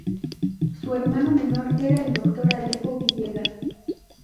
Su hermano menor era el doctor Alejo Villegas.